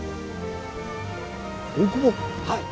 はい。